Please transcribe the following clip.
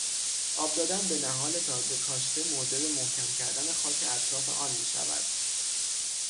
آب دادن به نهال تازه کاشته موجب محکم کردن خاک اطراف آن میشود.